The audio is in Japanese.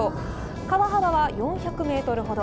川幅は４００メートルほど。